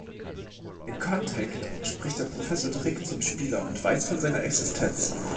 In "Contact" spricht der Professor direkt zum Spieler und weiß von seiner Existenz.